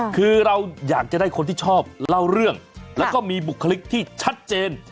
คือเราอยากจะได้คนที่ชอบเล่าเรื่องแล้วก็มีบุคลิกที่ชัดเจน